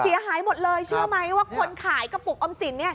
เสียหายหมดเลยเชื่อไหมว่าคนขายกระปุกออมสินเนี่ย